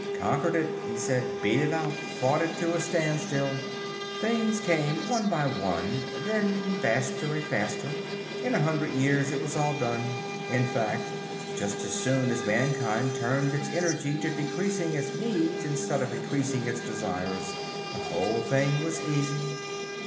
"Conquered it," he said, "beat it out! Fought it to a standstill! Things came one by one, then faster and faster, in a hundred years it was all done. In fact, just as soon as mankind turned its energy to decreasing its needs instead of increasing its desires, the whole thing was easy.